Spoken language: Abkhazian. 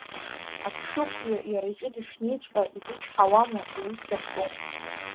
Аԥшыхәҩы иара иҿы дышнеиҵәҟьа изычҳауама, иус дартәом…